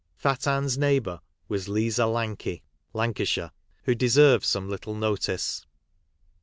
Fat Ann's neighbour was « Liza Lanlry " (Lanca shire), who deserves some little notice.